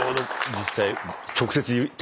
実際。